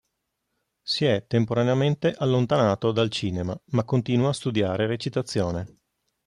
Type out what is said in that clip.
Si è temporaneamente allontanato dal cinema, ma continua a studiare recitazione.